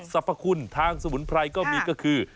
สรรพคุณทางสมุนไพรก็มีก็คือ